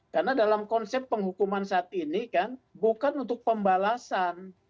karena dalam konsep penghukuman saat ini kan bukan untuk pembalasan